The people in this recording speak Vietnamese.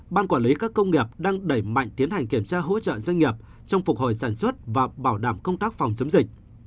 ban quản lý các công nghiệp đang đẩy mạnh tiến hành kiểm tra hỗ trợ doanh nghiệp trong phục hồi sản xuất và bảo đảm công tác phòng chống dịch